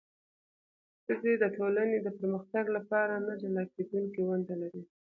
ښځې د ټولنې د پرمختګ لپاره نه جلا کېدونکې ونډه لري.